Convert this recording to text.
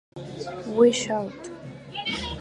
We shout!".